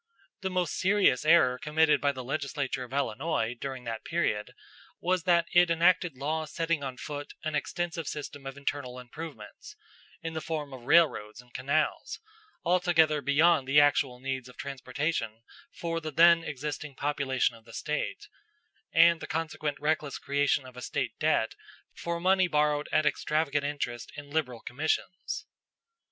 The most serious error committed by the legislature of Illinois during that period was that it enacted laws setting on foot an extensive system of internal improvements, in the form of railroads and canals, altogether beyond the actual needs of transportation for the then existing population of the State, and the consequent reckless creation of a State debt for money borrowed at extravagant interest and liberal commissions.